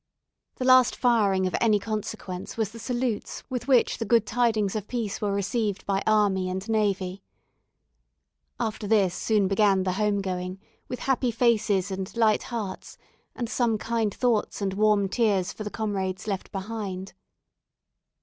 The last firing of any consequence was the salutes with which the good tidings of peace were received by army and navy. After this soon began the home going with happy faces and light hearts, and some kind thoughts and warm tears for the comrades left behind.